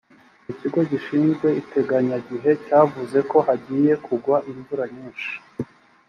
ikigo gishizwe iteganyagihe cyavuze ko hagiye kugwa imvura nyinshi